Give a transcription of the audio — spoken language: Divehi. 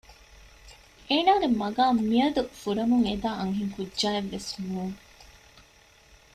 އޭނާގެ މަގާމް މިއަދު ފުރަމުން އެދާ އަންހެންކުއްޖާއެއް ވެސް ނޫން